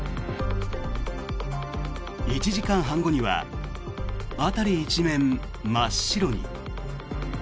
１時間半後には辺り一面真っ白に。